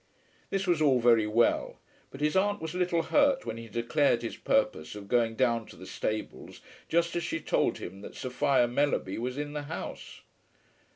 This was all very well, but his aunt was a little hurt when he declared his purpose of going down to the stables just as she told him that Sophia Mellerby was in the house.